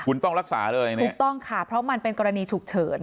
ถูกต้องค่ะเพราะมันเป็นกรณีฉุกเฉิน